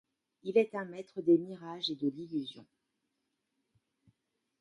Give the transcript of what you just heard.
Il est un maître des mirages et de l'illusion.